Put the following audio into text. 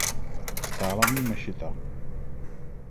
Stála v ní mešita.